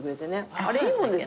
あれいいもんですね